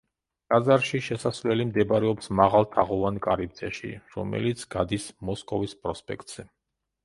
ტაძარში შესასვლელი მდებარეობს მაღალ თაღოვან კარიბჭეში, რომელიც გადის მოსკოვის პროსპექტზე.